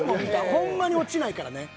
ほんまに落ちないからね。